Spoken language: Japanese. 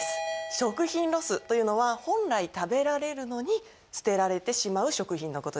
食品ロスというのは本来食べられるのに捨てられてしまう食品のことです。